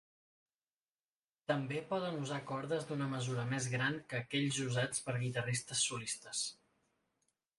També poden usar cordes d'una mesura més gran que aquells usats per guitarristes solistes.